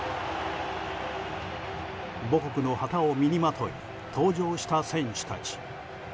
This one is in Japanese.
母国の旗を身にまとい登場した選手たち。